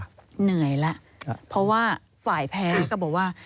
เหนื่อยแล้วเพราะว่าฝ่ายแพ้ก็บอกว่า